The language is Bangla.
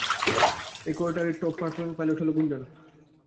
এই কোয়ার্টারের টপ পারফর্মিং পাইলট হলো গুঞ্জন!